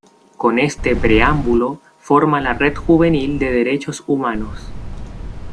Con este preámbulo forma la Red Juvenil de Derechos Humanos.